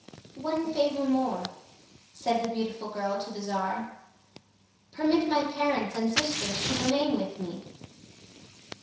"One favor more," said the beautiful girl to the czar. "Permit my parents and sisters to remain with me."